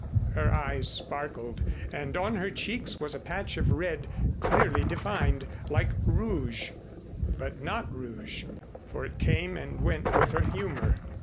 Her eyes sparkled, and on her cheeks was a patch of red clearly defined, like rouge, but not rouge, for it came and went with her humor.